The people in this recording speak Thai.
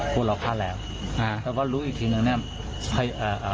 คุณเราพาแหลกฮะแต่ว่ารู้อีกทีหนึ่งนั่นแหละใครอ่าฮะ